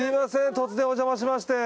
突然おじゃましまして。